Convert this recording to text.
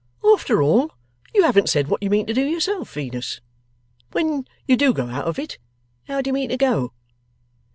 'After all, you haven't said what you mean to do yourself, Venus. When you do go out of it, how do you mean to go?